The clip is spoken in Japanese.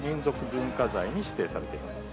文化財に指定されています。